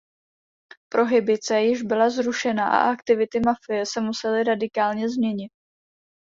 Prohibice již byla zrušena a aktivity mafie se musely radikálně změnit.